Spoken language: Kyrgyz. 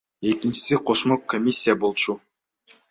Экинчиси кошмо комиссия болчу.